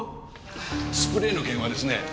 スプレーの件はですね